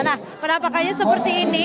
nah penampakannya seperti ini